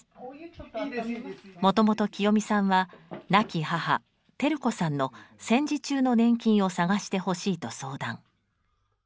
もともときよみさんは亡き母・昭子さんの戦時中の年金を探してほしいと相談。